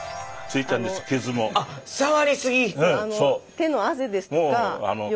手の汗ですとか汚れが。